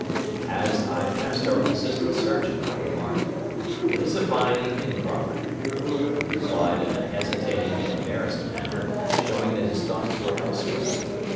As I passed our assistant surgeon, I remarked, "It is a fine evening, Crawford." He replied in a hesitating and embarrassed manner, showing that his thoughts were elsewhere.